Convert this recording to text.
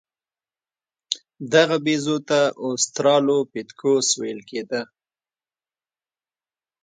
دغه بیزو ته اوسترالوپیتکوس ویل کېده.